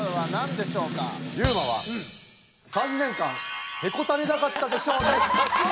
ユウマは「３年間へこたれなかったで賞」です！